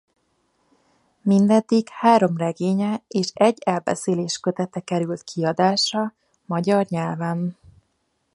Mindeddig három regénye és egy elbeszéléskötete került kiadásra magyar nyelven.